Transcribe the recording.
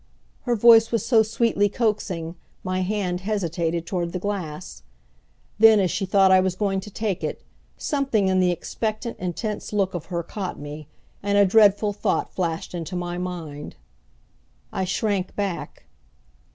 Her voice was so sweetly coaxing my hand hesitated toward the glass. Then, as she thought I was going to take it, something in the expectant, intense look of her caught me; and a dreadful thought flashed into my mind. I shrank back.